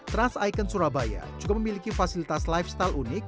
trans icon surabaya juga memiliki fasilitas lifestyle unik